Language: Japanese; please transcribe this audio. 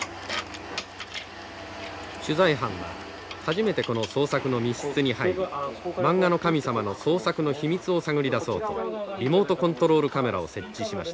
取材班は初めてこの創作の密室に入りマンガの神様の創作の秘密を探り出そうとリモートコントロールカメラを設置しました。